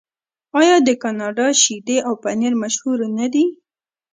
آیا د کاناډا شیدې او پنیر مشهور نه دي؟